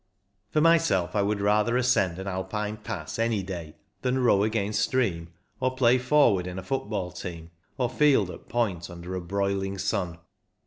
For myself, I would rather ascend an Alpine pass any day than row against stream, or play forward in a football team, or field at point under a broiling sun.